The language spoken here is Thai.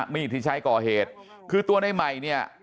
มีธริชัยก่อเหตุคือตัวนายใหม่เนี่ย